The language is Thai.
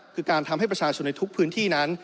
คือการทำให้ประชาชนในทุกพื้นที่นั้น